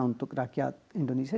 untuk rakyat indonesia